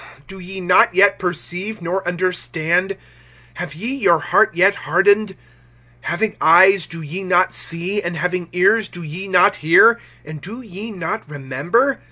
Do ye not yet perceive, nor understand? Have ye your heart yet hardened? (18)Having eyes, do ye not see? And having ears, do ye not hear? And do ye not remember?